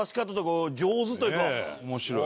面白い。